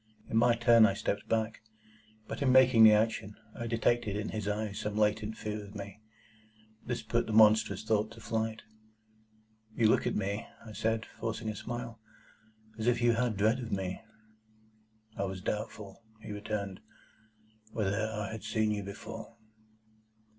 In my turn, I stepped back. But in making the action, I detected in his eyes some latent fear of me. This put the monstrous thought to flight. "You look at me," I said, forcing a smile, "as if you had a dread of me." "I was doubtful," he returned, "whether I had seen you before."